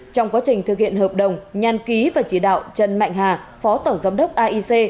trong quá trình thực hiện hợp đồng nhàn ký và chỉ đạo trần mạnh hà phó tổng giám đốc aic